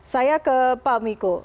saya ke pak miko